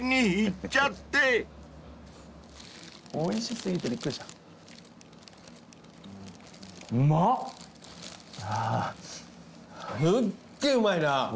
すっげぇうまいな。